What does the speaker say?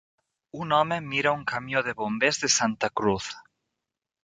Un home mira un camió de bombers de Santa Cruz.